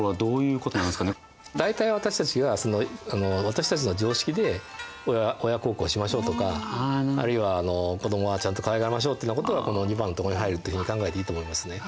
大体私たちが私たちの常識で親孝行しましょうとかあるいは子どもはちゃんとかわいがりましょうっていうようなことがこの２番のとこに入るっていうふうに考えていいと思いますね。